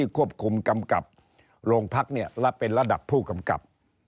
ควบคุมกำกับโรงพักและเป็นระดับผู้กำกับ